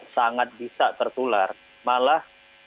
sangat bisa tertular malah